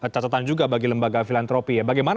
catatan juga bagi lembaga filantropi ya bagaimana